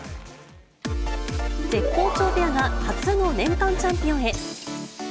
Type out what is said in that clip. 絶好調ペアが初の年間チャンピオンへ。